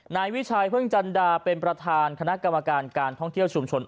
นายวิชัยพึ่งจันดาเป็นประธานคณะกรรมการการท่องเที่ยวชุมชน